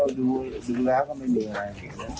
ดูแล้วก็ไม่มีอะไร